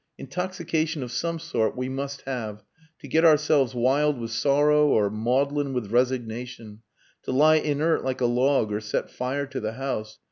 Intoxication of some sort we must have: to get ourselves wild with sorrow or maudlin with resignation; to lie inert like a log or set fire to the house.